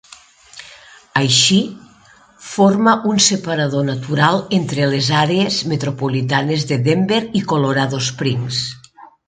Així, forma un separador natural entre les àrees metropolitanes de Denver i Colorado Springs.